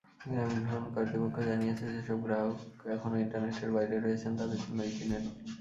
গ্রামীণফোন কর্তৃপক্ষ জানিয়েছে, যেসব গ্রাহক এখনো ইন্টারনেটের বাইরে রয়েছেন তাঁদের জন্য ইজি নেট।